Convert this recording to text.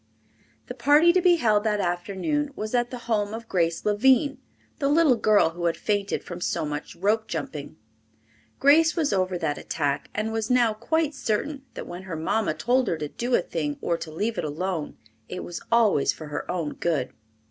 The party to be held that afternoon was at the home of Grace Lavine, the little girl who had fainted from so much rope jumping. Grace was over that attack, and was now quite certain that when her mamma told her to do a thing or to leave it alone, it was always for her own good.